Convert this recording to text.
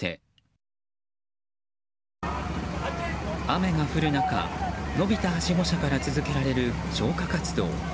雨が降る中伸びたはしご車から続けられる消火活動。